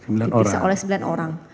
bisa oleh sembilan orang